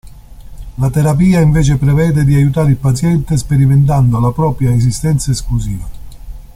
La terapia invece prevede di aiutare il paziente sperimentando la propria esistenza esclusiva.